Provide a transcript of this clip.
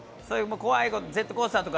怖いこと、ジェットコースターとか。